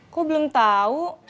kok belum tau